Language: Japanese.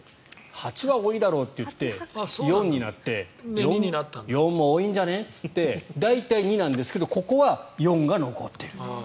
８は多いだろうとなって４になって４も多いんじゃねっていって大体２なんですけどここは４が残っていると。